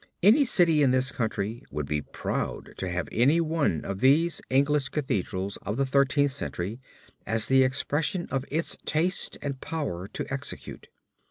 Any city in this country would be proud to have any one of these English cathedrals of the Thirteenth Century as the expression of its taste and power to execute.